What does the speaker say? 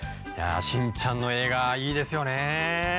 『しんちゃん』の映画いいですよね。